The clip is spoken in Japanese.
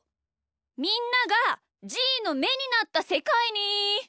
みんながじーのめになったせかいに。